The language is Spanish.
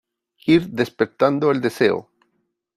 ir despertando el deseo ,